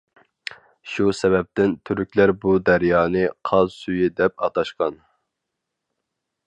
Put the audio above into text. شۇ سەۋەبتىن تۈركلەر بۇ دەريانى «قاز سۈيى» دەپ ئاتاشقان.